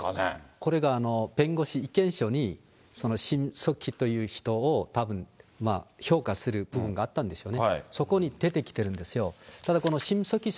これが弁護士、意見書にそのシム・ソクホというたぶん評価する部分があったんでしょうね。